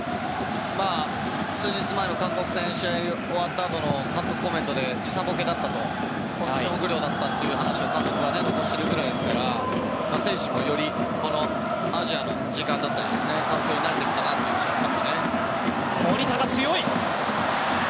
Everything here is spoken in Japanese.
数日前の韓国戦で試合が終わったあとの監督コメントで、時差ボケだったコンディション不良だったという話をしているぐらいなので選手もよりアジアの時間だったり環境に慣れてきたなという印象ですよね。